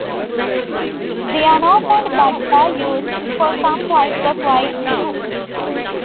The unopened buds are used for some types of white tea.